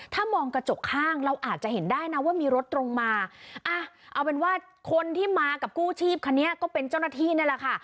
ถ้ามองกระจกข้างเราอาจจะเห็นได้นะว่ามีรถตรงมาอ่ะเอาเป็นว่าคนที่มากับกู้ชีพคันนี้ก็เป็นเจ้าหน้าที่นั่นแหละค่ะ